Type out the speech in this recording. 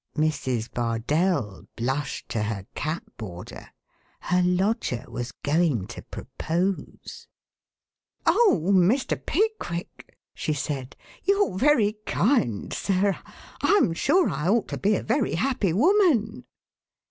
Mrs. Bardell blushed to her cap border. Her lodger was going to propose! "Oh, Mr. Pickwick!" she said, "you're very kind, sir. I'm sure I ought to be a very happy woman."